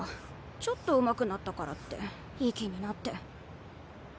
ちょっとうまくなったからっていい気になって。